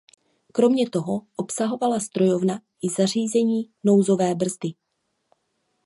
Kromě toho obsahovala strojovna i zařízení nouzové brzdy.